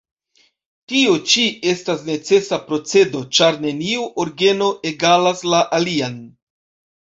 Tio ĉi estas necesa procedo, ĉar neniu orgeno egalas la alian.